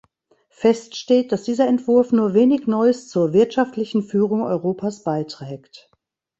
Fest steht, dass dieser Entwurf nur wenig Neues zur wirtschaftlichen Führung Europas beiträgt.